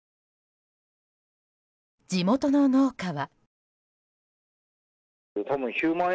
地元の農家は。